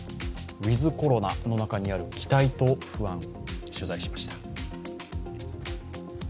ウィズ・コロナの中にある期待と不安、取材しました。